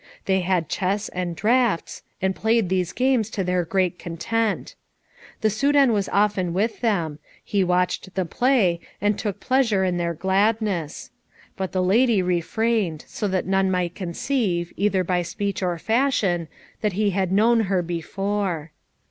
They had chess and draughts, and played these games to their great content. The Soudan was often with them. He watched the play, and took pleasure in their gladness. But the lady refrained, so that none might conceive, either by speech or fashion, that he had known her before.